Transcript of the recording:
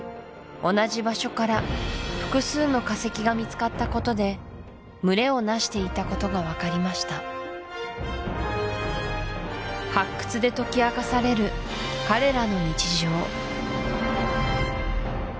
同じ場所から複数の化石が見つかったことで群れをなしていたことが分かりました発掘で解き明かされる彼らの日常